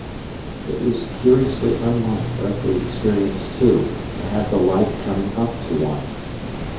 It was curiously unlike earthly experience, too, to have the light coming up to one.